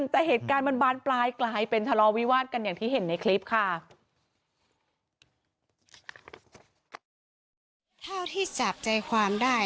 แต่เหตุการณ์มันบานปลายกลายเป็นทะเลาวิวาสกันอย่างที่เห็นในคลิปค่ะ